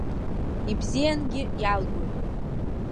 Ибзиангьы иалгоит!